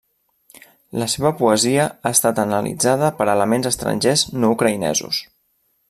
La seva poesia ha estat analitzada per elements estrangers no ucraïnesos.